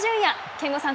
憲剛さん